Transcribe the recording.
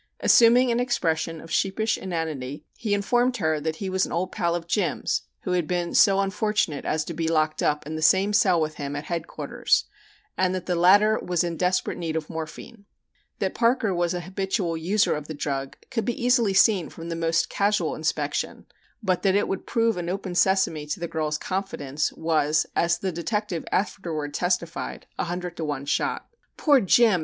Assuming an expression of sheepish inanity he informed her that he was an old pal of "Jim's" who had been so unfortunate as to be locked up in the same cell with him at Headquarters, and that the latter was in desperate need of morphine. That Parker was an habitual user of the drug could be easily seen from the most casual inspection, but that it would prove an open sesame to the girl's confidence was, as the detective afterward testified, "a hundred to one shot." "Poor Jim!"